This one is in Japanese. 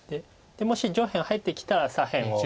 もし上辺を入ってきたら左辺を。